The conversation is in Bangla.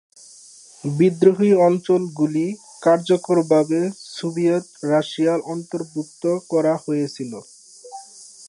বিদ্রোহী অঞ্চলগুলি কার্যকরভাবে সোভিয়েত রাশিয়ায় অন্তর্ভুক্ত করা হয়েছিল।